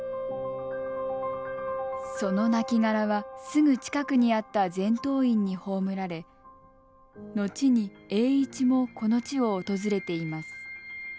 その亡骸はすぐ近くにあった全洞院に葬られ後に栄一もこの地を訪れています。